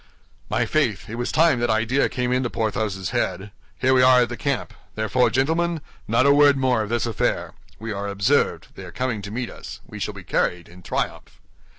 "My faith, it was time that idea came into Porthos's head. Here we are at the camp; therefore, gentlemen, not a word more of this affair. We are observed; they are coming to meet us. We shall be carried in triumph."